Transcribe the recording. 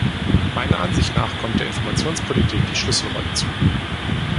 Meiner Ansicht nach kommt der Informationspolitik die Schlüsselrolle zu.